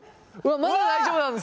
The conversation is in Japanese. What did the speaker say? まだ大丈夫です。